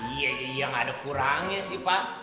iya iya gak ada kurangnya sih pak